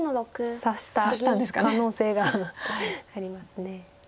察した可能性があります。